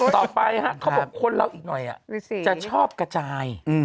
ต่อไปเขาบอกคนเราอีกหน่อยจะชอบกระจาย